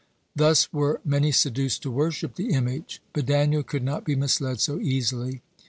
Thus were many seduced to worship the image. But Daniel could not be misled so easily.